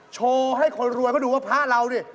โชว์ให้คนรวยเขาดูว่าพระเราดิ